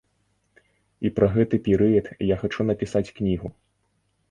І пра гэты перыяд я хачу напісаць кнігу.